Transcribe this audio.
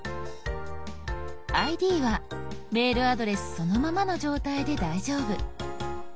「ＩＤ」はメールアドレスそのままの状態で大丈夫。